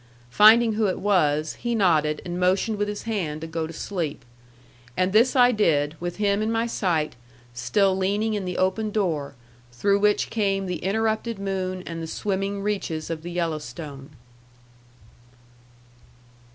Finding who it was, he nodded and motioned with his hand to go to sleep. And this I did with him in my sight, still leaning in the open door, through which came the interrupted moon and the swimming reaches of the Yellowstone.